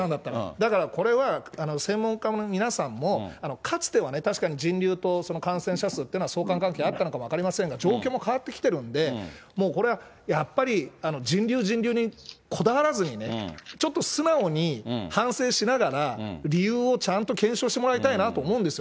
だから、これは専門家の皆さんも、かつては確かに人流と感染者数っていうのは、相関関係あったのかも分かりませんが、状況も変わってきてるんで、もうこれは、やっぱり人流、人流にこだわらずにね、ちょっと素直に反省しながら、理由をちゃんと検証してもらいたいなと思うんですよ。